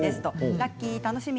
ラッキー、楽しみ。